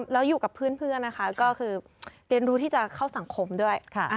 แล้วอยู่กับเพื่อนนะคะก็คือเรียนรู้ที่จะเข้าสังคมด้วย